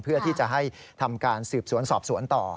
เพื่อที่จะให้ทำการสืบสวนสอบสวนต่อ